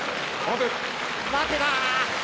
待てだ。